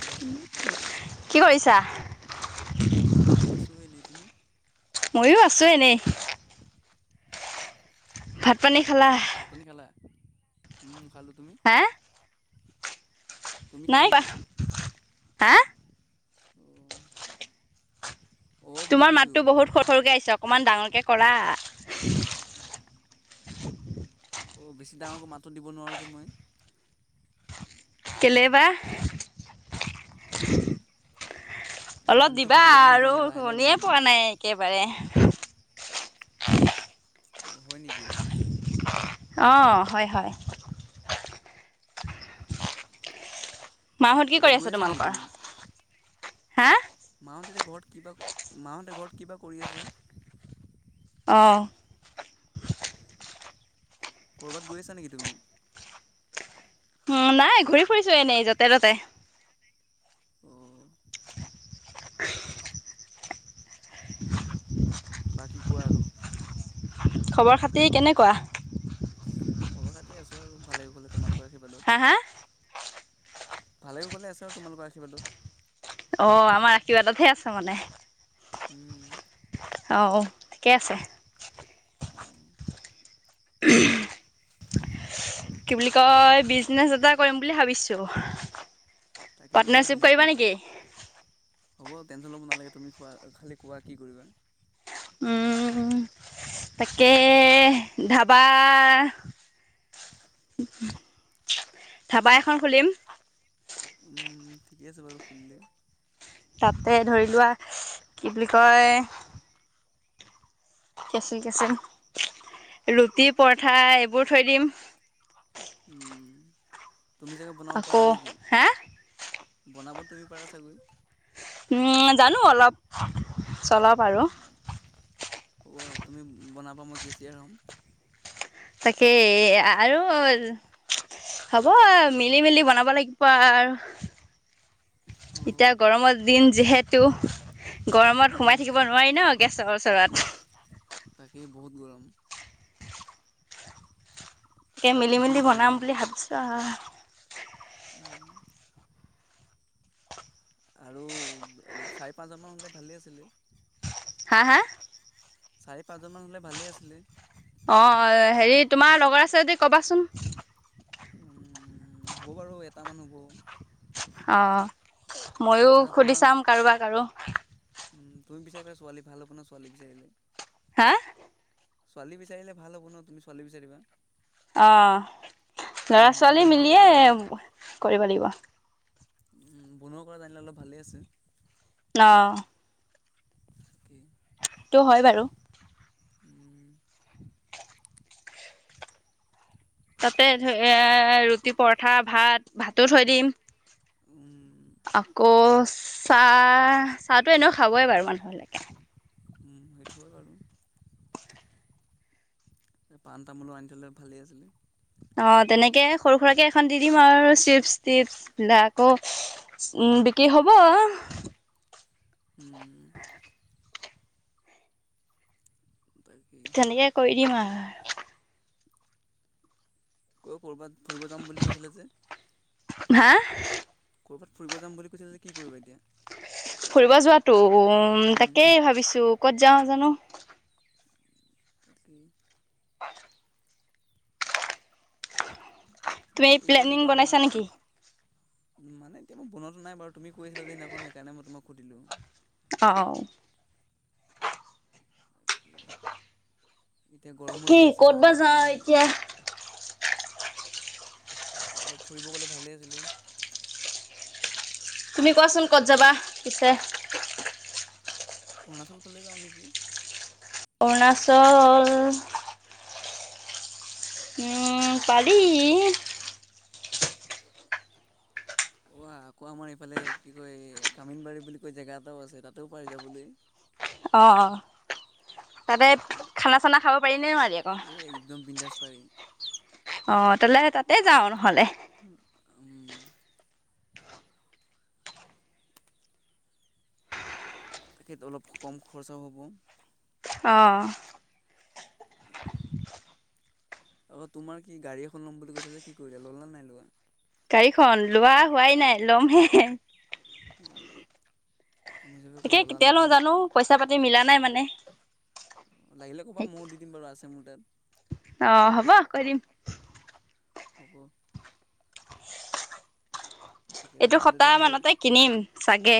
Hello কি কৰিছা? অ' হমমমমম', আছোঁ এনেই তুমি? ময়ো আছোঁ এনেই ভাত পানী খালা? ভাত পানী খালা? উম', খালো হা', তুমি নাই খালা খোৱা। হাঁ',? অঁ', বুলি তোমাৰ কৈছোঁ মাতটো বহুত সৰু সৰুকে আহিছে অকনমান ডাঙৰ ডাঙৰকে কৰা অ', বেছি ডাঙৰকৈ মাতটো দিব নোৱাৰোঁ যে মই কেলে বা? অলপ নানীটো দিবা ফাটি যাব ন আৰু সেইকাৰণে অলপ লাহে লাহে শনিয়ে মাত পোৱা দিওঁ নাই একেবাৰে বাৰে হয় নেকি? অ হয় হয় মাহঁত কি ক'ৰবাত কৰি গৈ আছ আছা নেকি তোমালোকৰ? তুমি হা? মাহঁতেতে ঘৰত কিবা মাহঁতে ঘৰত কিবা কৰি আছে? অহ। কৰ'বাত গৈ আছা নেকি তুমি? উম নাই ঘূৰি ফুৰিছো এনেই যতে ততে। অঁ বাকী কোৱা আৰু? খবৰ খাতিৰ কেনেকুৱা? খবৰ খাতি আছো আৰু ভালে কোশলে। তোমালোক? হা হা? আশীৰ্বাদত। ভালে কোশলে আছে আৰু তোমালোকৰ আশীৰ্বাদত। অ আমাৰ আশীৰ্বাদতহে আছে মানে। উম অঁ ঠিকে আছে। [inaudible] কি বুলি কয় বিজনেছ এটা কৰিম বুলি ভাবিছো। তাকে কিহৰ পাৰ্টনাৰশ্বিপ বিজনেছ কৰিবা নেকি? হ'ব টেনশ্যন ল'ব নালাগে তুমি খোৱা খালি কোৱা কি কৰিবা। উম, তাকে ধাবা ধাবা এখন খুলিম। উম ঠিকে আছে বাৰু খুলিলে। তাতে ধৰি লোৱা কি বুলি কয়, কেচিন কেচিন ৰুটি, পৰঠা এইবোৰ থৈ দিম উম তুমি ছাগে বনাব আকৌ পাৰা নেকি? হা বনাব তুমি পাৰা চাগৈ। উম জানো অলপ। চলাওবাৰু হ'ব তুমি বনাবা মই কেচিয়াৰ হ'ম। তাকে আৰু হ'ব আও মিলি মেলি বনাব লাগিব আও। ত' এতিয়া গৰমৰ দিন যিহেতু গৰমত সোমাই থাকিব নোৱাৰি ন গেছৰ ওচৰত। তাকে বহুত গৰম তাকে চাৰ্ট মিলি ভিজি মেলি গৈছেগৈ বনাম মোৰ বুলি ভাবিছো আও। আৰু চাৰি পাঁচজনমান হ'লে ভালেই আছিলে। হা হা? চাৰি পাঁচজন মান হ'লে ভালেই আছিলে। অ হেৰি তোমাৰ লগৰ আছে যদি কবাচোন। উম হ'ব বাৰু এটামান হ'ব। অ মইয়ো নাই সুধি চাম কাৰোবাক আৰু। উম তুমি বিচাৰিবা ছোৱালী, ভাল হ'ব ন ছোৱালী বিচাৰিলে। হা ছোৱালী বিচাৰিলে ভাল হ'ব ন তুমি ছোৱালী বিচাৰিবা। অ অলপ ল'ৰা ছোৱালী বনোৱা কৰা মিলিয়ে জানা কৰিব লাগিব। উ বনোৱা কৰা জানিলে অলপ ভালেই আছিলে। অ। কি টো হয় বাৰু। উম [inaudible] তাতে ধ এ--আৰু ৰুটি পৰঠা ভাত ভাতো থৈ দিম। উম। আকৌ চাহ চাহটো এনেও খাবৈ বাৰু মানুহলৈকে। উম সেইটো হয় বাৰু। পাণ তামোলো আনি থ'লে ভালেই আছিল। অ তেনেকে সৰু সুৰাকে এখন দি দিম আৰু চিপচ টিপছ বিলাকো উ বিক্ৰী হ'ব। উম। [inaudible] তাকেই তেনেকে কৰি দিম আও। [unintelligible] গৈ কৰবাত ফুৰিব যাম বুলি কৈছিলা যে? হা [unintelligible] ফুৰিব যাম বুলি কৈছে যে কি কৰিবা এতিয়া? ফুৰিব যোৱাটো উম তাকেই ভাবিছো ক'ত যাওঁ জানো [unintelligible] পা তুমি এই এতিয়াতো প্লেনিং আমাৰ বনাইছা নেকি? মানে এতিয়া মই বনোৱাতো নাই বাৰু। তুমি কৈ আছিলা যেদিনাখন সেইকাৰণে মই তোমাক সুধিলো। অহ। এতিয়া গৰমো কি দি আছে ন ক'ত বা অলপ যাওঁ মানে এতিয়া অলপ ফুৰিব গ'লে ভালেই আছিলে। তুমি কোৱাচোন ক'ত যাবা পিছে অৰুণাচল ফালেই যাওঁ নেকি? অৰুণাচল উম পাৰি। অ আকৌ আমাৰ এইফালে কি কয় কামিনবাৰী বুলি কৈ জেগা এটাও আছে তাতেও পাৰি যাবলৈ। অ অ তাতে খানা চানা খাব পাৰি নে নোৱাৰি আকৌ এই একদম বিন্দাস পাৰি। অ তেনেহলে তাতে যাওঁ নহলে। উম তেখেত অলপ কম খৰচাও হ'ব। অঁ আকৌ তোমাৰ কি গাড়ী এখন ল'ম বুলি কৈছিলা যে কি কৰিলা ল'লা নে নাই। গাড়ীখন লোৱা হোৱাই নাই লমহে। অ মই ভাবিছোঁ আকৌ তাকে ল'লা কেতিয়া লও নেকি জানো পইচা পাতি মিলা নাই মানে। লাগিলে ক'বা ময়ো দিম দিম বাৰু আছে মোৰ তাত। অ হ'ব কৰি দিম। হ'ব। তাকে আৰু এইটো মা দেউতা সপ্তাহ ভালেই মানতে কিনিম। চাগে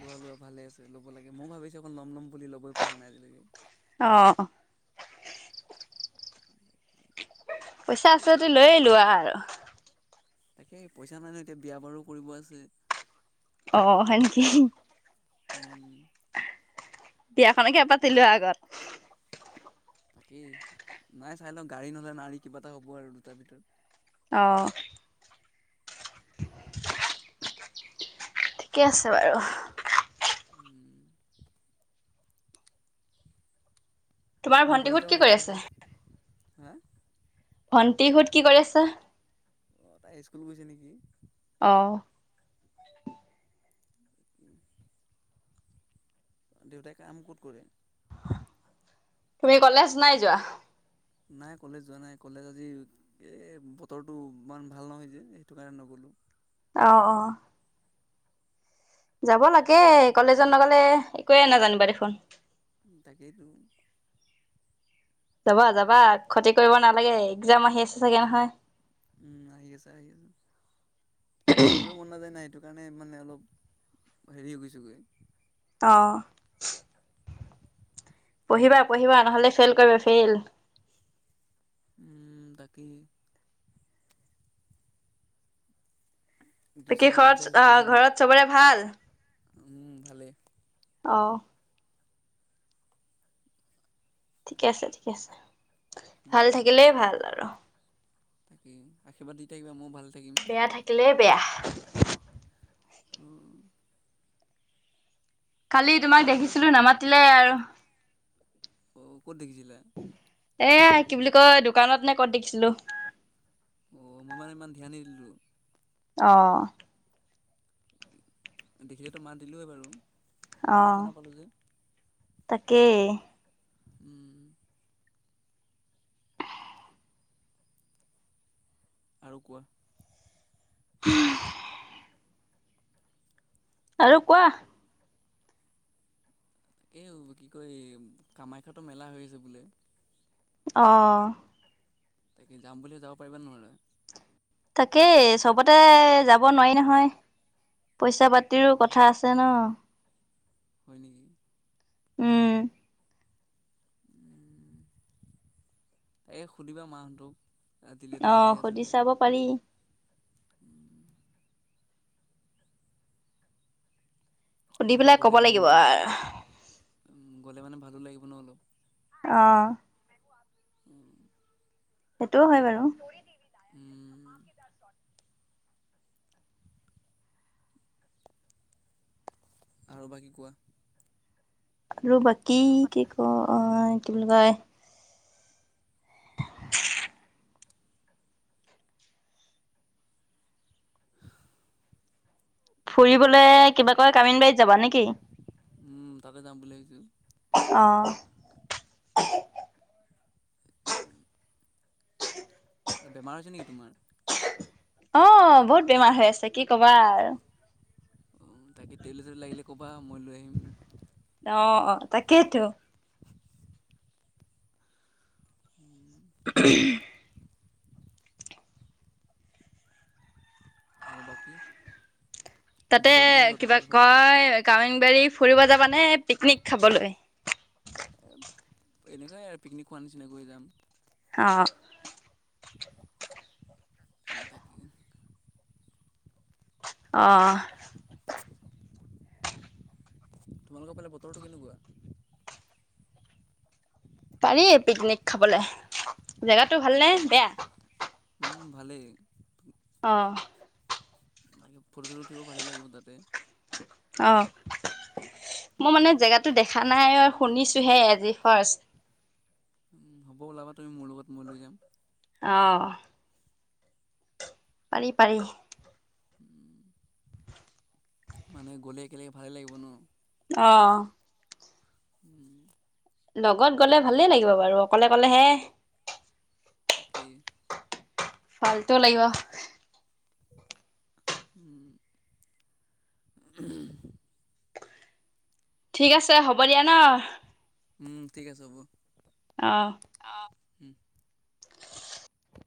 লোৱা লোৱা ভালে আছে ল'ব লাগে ময়ও ভাবিছো এখন লম ল'ম বুলি লবই পৰা নাই আজিলৈকে অ পইচা আছে যদি লৈয়ে লোৱা আৰু। তাকে পইচা নাই ন এতিয়া বিয়া বাৰু কৰিব আছে। অ হয় নিকি। উম বিয়াখনকে পাতিলোৱা আগত। তাকেই নাই চাই লওঁ গাড়ী নহলে নাড়ী কিবা এটা হ'ব আৰু দুটাৰ ভিতৰত। অহ ঠিকে আছে বাৰু উম, তোমাৰ মোবাইল ভণ্টিহত এটাও কি ল'ব কৰি লাগে আছে। হা ভণ্টিহত কি কৰি আছে। অ তাই স্কুল গৈছে নেকি? অহ দেউতাই কাম কত কৰে? তুমি কলেজ নাই যোৱা? নাই কলেজ যোৱা নাই কলেজ আজি এই বতৰটো ইমান ভাল নহয় যে সেইটো কাৰণে নগ'লোঁ। অ অ যাব লাগে কলেজত নগলে একোৱে নাজানিবা দেখোন। তাকে টো যাবা যাবা খটি কৰিব নালাগে একজাম আহি আছে চাগে নহয়। উম আহি আছে আহি আছে। এ পঢ়িব মন নযায় নাই এইটো। সেই কাৰণে মানে অলপ হেৰি হৈ গৈছেগৈ অ' পঢ়িবা পঢ়িবা নহ'লে ফেইল কৰিবা ফেইল। উম তাকেহে। ত কি টিউশ্যন এটা ঘৰত বিচাৰিছোঁ আহ টিউশ্যন ঘৰত চবৰে ভাল? উম ভালে। অ। ঠিকে আছে ঠিকে আছে। ভাল উম। থাকিলে ভাল আৰু। তাকেই আশীৰ্বাদ দি থাকিবা মোৰ ভাল বেয়া থাকিলেই বেয়া। উম। কালি তোমাক তাই কৈছে দেখিছিলো নামাতিলাই আৰু। [inaudible] অ। ক'ত দেখিছিলা? এ কি বুলি কয় দোকানত নে কত দেখিছিলো। অ মই মানে ইমান ধ্যান নিদিলো। অ। দেখিলেতো মাত দিলোৱে বাৰু। দেখা না পালোঁ যে। তাকে। উম। আৰু কোৱা। [unintelligible] আৰু কোৱা। এই কি কয় কামাখ্যাতো মেলা হৈ আছে বোলে। অহ। তাকে যাম বুলিয়ে যাব পাৰিবা নে নোৱৰা? তাকেই চবতে যাব নোৱাৰি নহয়। পইচা পাতিৰো অঁ কথা আছে ন। হয় নেকি? উম এই সুধিবা মা হতক। অ সুধি চাব পাৰি। সুধি মানে পেলাই ক'ব গ'লে ভালো লাগিব লাগে, আৰু। অ গ'লে মানে ভাল ভালো লাগিব ন অলপ। অ। উ সেইটোও হয় বাৰু। উম। আৰু বাকি কোৱা। আৰু বাকি কি কওঁ উম। কি বুলি কয় [inaudible] ফুৰিবলৈ কিবা কৈ কামিনী বা যাবা নেকি? উম, তাতে যাম বুলি ভাবিছোঁ অহ। একে। বেমাৰ হৈছে নেকি তোমাৰ? অহ, বহুত বেমাৰ হৈ আছে কি কবা আৰু। উম, তাকে টেবলেট -চেবলট লাগিলে ক'বা। মই লৈ আহিম গৈ। অ অ তাকেইতো। উম [unintelligible] আৰু বাকী? তাতে বতৰটো কেনেকুৱা কিবা তোমালোকৰ ফালে কয় কামি বাৰী ফুৰিব যাবানে পিকনিক খাবলৈ? এনেকাই আৰু পিকনিক খোৱাৰ নিচিনাকৈ যাম। অহ তাকে। অহ [inaudible] তোমালোকৰ ফালে বতৰটো কেনেকোৱা? পাৰি পিকনিক খাবলৈ জেগাটো ভালনে বেয়া? উম, ভালেই। অহ ফটো -চটো উঠিব ভালে লাগিব তাতে। অহ, মই মানে জেগাতো দেখা নাই আৰু শুনিছোহে আজি ফাষ্ট। উম, হ'ব ওলাবা তুমি মোৰ লগত মই লৈ যাম। অহ পাৰি - পাৰি। উম, মানে গ'লে একেলগে ভালে লাগিব ন'। অহ উম লগত গলে ভালেই লাগিব বাৰু অকলে- অকলে হে তাকে। ফাল্তু লাগিব। উম [unintelligible] ঠিক আছে হ'ব দিয়া ন' উম, ঠিক আছে হ'ব। অহ [unintelligible] হম